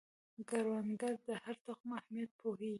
کروندګر د هر تخم اهمیت پوهیږي